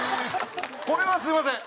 これはすみません。